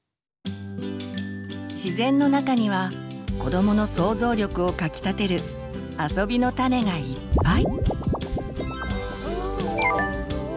自然の中には子どもの想像力をかきたてる「あそびのタネ」がいっぱい！